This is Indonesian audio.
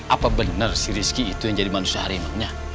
apa bener si rizky itu yang jadi manusia harimanya